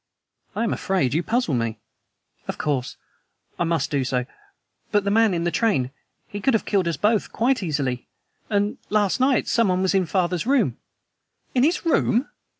"I am afraid you puzzle me." "Of course, I must do so. But the man in the train. He could have killed us both quite easily! And last night someone was in father's room." "In his room!"